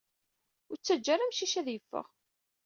Ur ttaǧa ara amcic ad yeffeɣ.